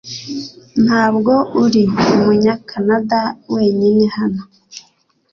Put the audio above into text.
Ntabwo uri Umunyakanada wenyine hano .